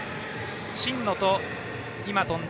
真野と今、跳んだ